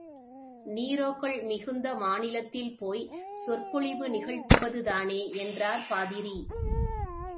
நீக்ரோக்கள் மிகுந்த மாநிலத்தில் போய்ச் சொற்பொழிவு நிகழ்த்துவதுதானே என்றார் பாதிரி.